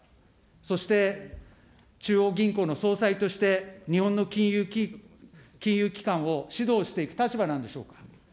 そして中央銀行の総裁として、日本の金融機関を指導していく立場なんでしょうか。